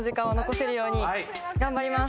頑張ります。